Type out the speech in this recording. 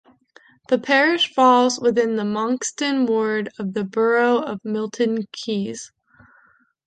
The Parish falls within the Monkston Ward of the Borough of Milton Keynes.